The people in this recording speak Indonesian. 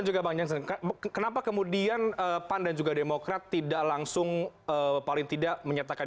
jadi kenapa kemudian pan dan juga demokrat tidak langsung paling tidak menyatakan